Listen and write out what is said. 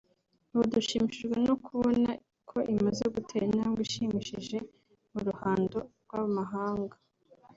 ubu dushimishijwe no kubona ko imaze gutera intambwe ishimishije mu ruhando rw’amahanga